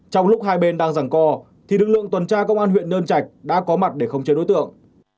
trong lúc hai bên đang giằng co thì lực lượng tuần tra công an huyện nơn chạch đã có mặt để khống chế đối tượng